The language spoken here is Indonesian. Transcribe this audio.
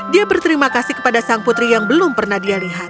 dia berterima kasih kepada sang putri yang belum pernah dia lihat